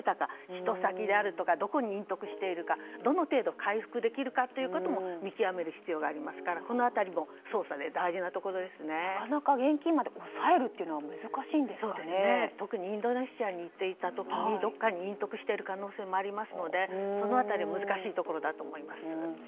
使途先であるとかどこに隠匿しているかどの程度回復できるかということも見極める必要がありますからこの辺りもなかなか現金まで抑えるのは特にインドネシアに行っていた時にどっかに隠匿している可能性もありますのでその辺りも難しいところだと思います。